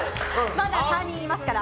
まだ３人いますから。